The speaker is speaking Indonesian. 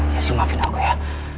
jess maafin aku ya